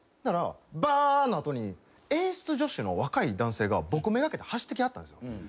バーの後に演出助手の若い男性が僕目がけて走ってきはったんですよ。